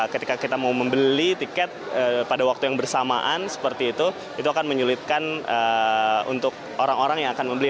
ketika kita mau membeli tiket pada waktu yang bersamaan seperti itu itu akan menyulitkan untuk orang orang yang akan membeli